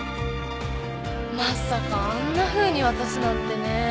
まさかあんなふうに渡すなんてね。